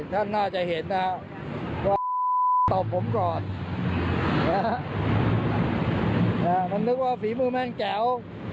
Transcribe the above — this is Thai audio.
ท่านน่าจะเห็นนะครับก็ตบผมก่อนมันนึกว่าฝีมือแม่งแจ๋ว